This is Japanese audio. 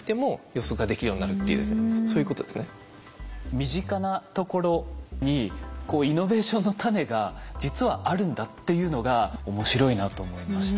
身近なところにイノベーションの種が実はあるんだっていうのが面白いなと思いました。